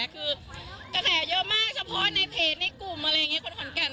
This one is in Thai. คือกระแสเยอะมากเฉพาะในเพจในกลุ่มอะไรอย่างนี้คนขอนแก่น